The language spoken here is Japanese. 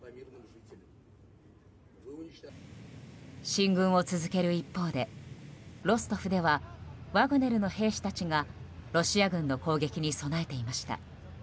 進軍を続ける一方でロストフではワグネルの兵士たちがロシア軍の攻撃に備えていました。